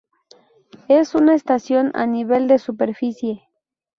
Es una estación a nivel de superficie.